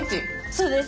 そうです。